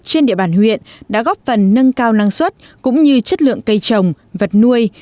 trên địa bàn huyện đã góp phần nâng cao năng suất cũng như chất lượng cây trồng vật nuôi